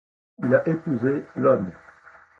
Il a épousé l'hon.